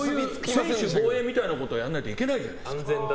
専守防衛みたいなことはやらないといけないんです。